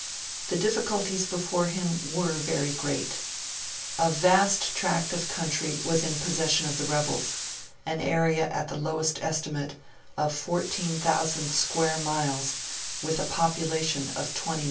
The difficulties before him were very great. A vast tract of country was in the possession of the rebels an area, at the lowest estimate, of 14,000 square miles with a population of 20,000,000.